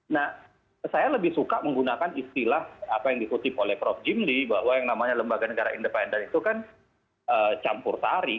nah saya lebih suka menggunakan istilah apa yang dikutip oleh prof jimli bahwa yang namanya lembaga negara independen itu kan campur tari